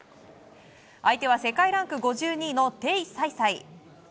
相手は世界ランク５２位のテイ・サイサイ。